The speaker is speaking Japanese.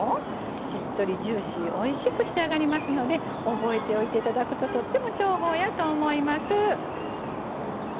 しっとりジューシーおいしく作れますので覚えておいていただくととっても重宝やと思います。